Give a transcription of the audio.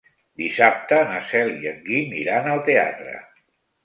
Dissabte na Cel i en Guim iran al teatre.